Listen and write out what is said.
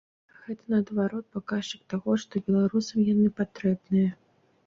Гэта, наадварот, паказчык таго, што беларусам яны патрэбныя.